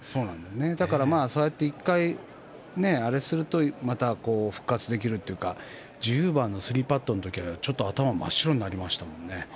だからそうやって一回あれするとまた復活できるというか１０番の３パットの時はちょっと頭真っ白になりましたもんね。